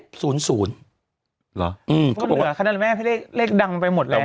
๐๐หรออืมก็บอกว่าคณะแม่พี่เลขเลขดังไปหมดแล้ว